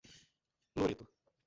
Loreto